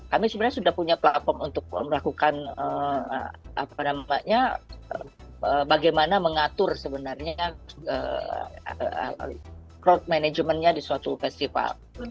kami sebenarnya sudah punya platform untuk melakukan bagaimana mengatur sebenarnya crowd managementnya di suatu festival